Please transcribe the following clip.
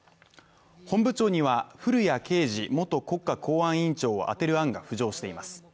本部長には古屋圭司元国家公安委員長を充てる案が浮上しています。